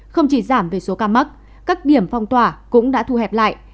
không chỉ giảm về số ca mắc các điểm phong tỏa cũng đã thu hẹp lại